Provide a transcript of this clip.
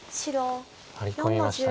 ワリ込みました。